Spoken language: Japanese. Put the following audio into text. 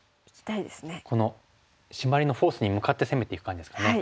このシマリのフォースに向かって攻めていく感じですかね。